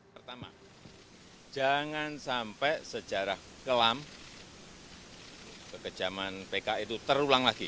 pertama jangan sampai sejarah kelam kekejaman pki itu terulang lagi